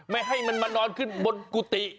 ไม่ให้มันมานอนขึ้นบนกุฏิ